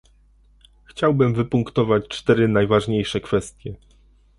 Chciałbym wypunktować cztery najważniejsze kwestie